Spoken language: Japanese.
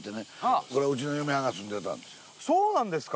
そこそうなんですか。